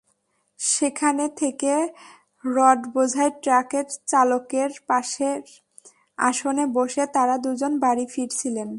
সেখান থেকে রডবোঝাই ট্রাকের চালকের পাশের আসনে বসে তাঁরা দুজন বাড়ি ফিরছিলেন।